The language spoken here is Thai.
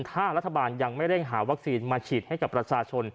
ถ้ารัฐบาลยังไม่เร่งหาวัคซีนมาฉีดให้กับประชาชน